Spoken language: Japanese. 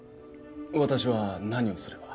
私は何をすれば。